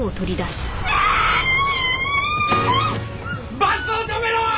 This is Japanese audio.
バスを止めろ！